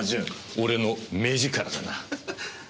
俺の目力だな。